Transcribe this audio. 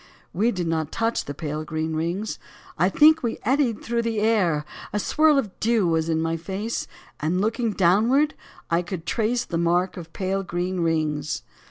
65 We did not touch the pale, green rings, I think we eddied through the air ; A swirl of dew was in my face, And, looking downward, I could trace The mark of pale, green rings.